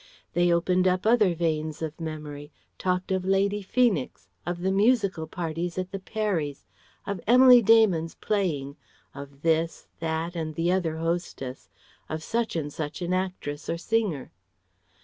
They opened up other veins of memory, talked of Lady Feenix, of the musical parties at the Parrys, of Emily Daymond's playing, of this, that and the other hostess, of such and such an actress or singer.